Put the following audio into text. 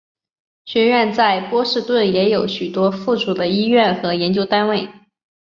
学院在波士顿也有许多附属的医院和研究单位。